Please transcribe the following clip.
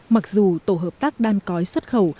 mặc dù tổ hợp tác đan cói xuất khẩu